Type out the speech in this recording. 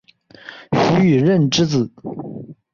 徐以任之子。